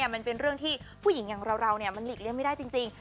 มันเป็นเรื่องที่ผู้หญิงอย่างเรามันหลีกเลี่ยงไม่ได้จริง